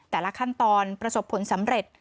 แต่ละขั้นตอนประสบผลสำเร็จ